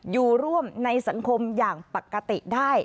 อยู่ร่วมในสังคมอย่างปกติได้